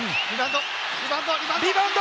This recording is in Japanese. リバウンド！